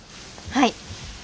はい。